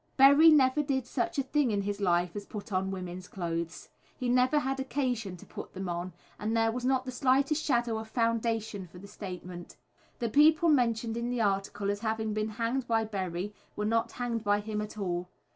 Berry never did such a thing in his life as put on women's clothes. He never had occasion to put them on, and there was not the slightest shadow of foundation for the statement. The people mentioned in the article as having been hanged by Berry were not hanged by him at all.